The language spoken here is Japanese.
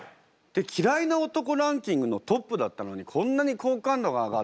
嫌いな男ランキングのトップだったのにこんなに好感度が上がった。